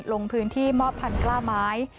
ลงพื้นที่มอบพันกล้าไม้